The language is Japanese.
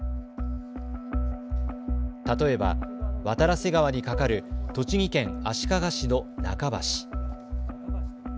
例えば渡良瀬川に架かる栃木県足利市の中橋。